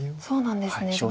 そうなんですね。